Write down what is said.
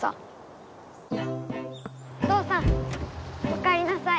お父さんおかえりなさい。